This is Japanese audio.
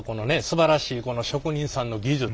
すばらしいこの職人さんの技術。